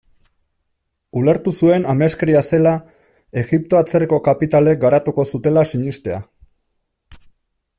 Ulertu zuen ameskeria zela Egipto atzerriko kapitalek garatuko zutela sinestea.